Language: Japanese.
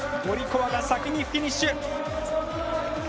ゴリコワが先にフィニッシュ。